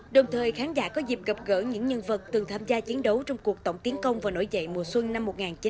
đồng thời khán giả có dịp gặp gỡ những nhân vật từng tham gia chiến đấu trong cuộc tổng tiến công và nổi dậy mùa xuân năm một nghìn chín trăm bảy mươi năm